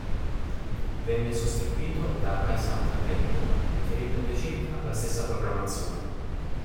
Venne sostituito da RaiSat Premium che riprende circa la stessa programmazione.